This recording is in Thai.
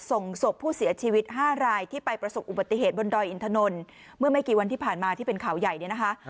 ส่งศพผู้เสียชีวิต๕รายที่ไปประสบอุบัติเหตุบนดอยอินทนนท์เมื่อไม่กี่วันที่ผ่านมาที่เป็นข่าวใหญ่เนี่ยนะคะ